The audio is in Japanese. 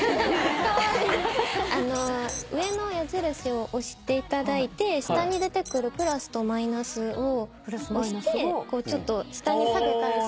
上の矢印を押していただいて下に出てくるプラスとマイナスを押してちょっと下に下げて。